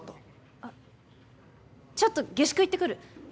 あっちょっと下宿行ってくる。